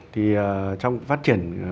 thì trong phát triển